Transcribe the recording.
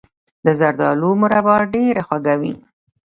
د زردالو مربا ډیره خوږه وي.